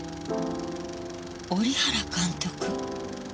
織原監督。